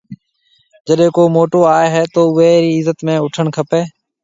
جيڏيَ ڪو موٽو آئي تو اوئي رِي عزت ۾ اُوٺڻ کپيَ۔